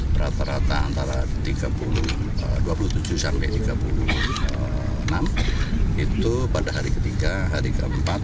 rata rata antara dua puluh tujuh sampai tiga puluh enam itu pada hari ketiga hari keempat